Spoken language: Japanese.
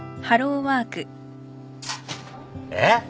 えっ？